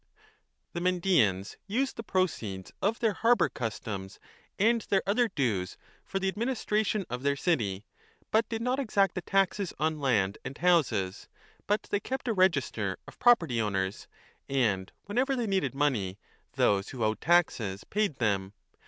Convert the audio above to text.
5 The Mendaeans used the proceeds of their harbour customs and their other dues for the administration of their city, but did not exact the taxes on land and houses ; but they kept a register of property owners, and whenever they needed money, those who owed taxes paid them.